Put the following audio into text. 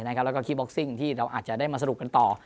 แล้วก็คีบ็อกซิ่งที่เราอาจจะได้มาสรุปกันต่อ